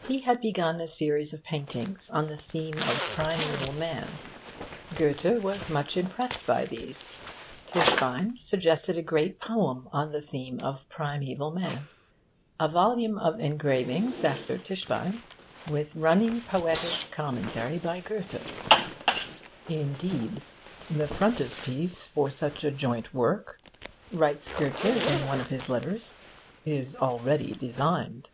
He had begun a series of paintings on the theme of primaeval man. Goethe was much impressed by these. Tischbein suggested a great poem on the theme of primaeval man a volume of engravings after Tischbein, with running poetic commentary by Goethe. 'Indeed, the frontispiece for such a joint work,' writes Goethe in one of his letters, 'is already designed.